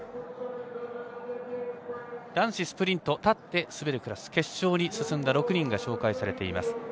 男子スプリント立って滑るクラス決勝に進んだ６人が紹介されています。